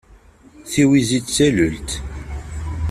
Tiwizi d tallelt.